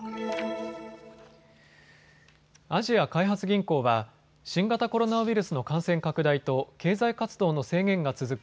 アジア開発銀行は新型コロナウイルスの感染拡大と経済活動の制限が続く